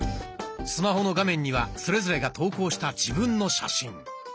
スマホの画面にはそれぞれが投稿した自分の写真。